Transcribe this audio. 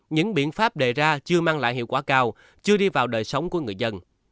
những biện pháp đề ra chưa mang lại hiệu quả cao chưa đi vào đời sống của người dân